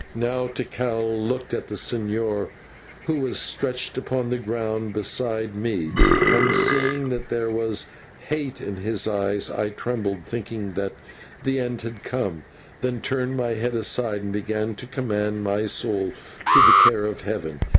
Now Tikal looked at the señor, who was stretched upon the ground beside me, and seeing that there was hate in his eyes I trembled, thinking that the end had come, then turned my head aside, and began to commend my soul to the care of Heaven.